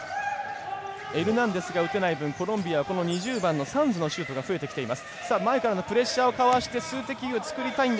エルナンデスが打てない分コロンビアはサンスのシュートが増えてきています。